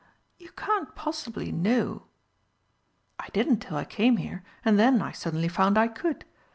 "You can't possibly know!" "I didn't till I came here, and then I suddenly found I could.